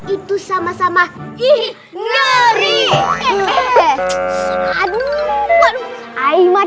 itu aja artinya